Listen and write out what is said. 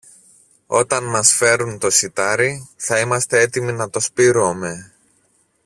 Όταν μας φέρουν το σιτάρι, θα είμαστε έτοιμοι να το σπείρομε.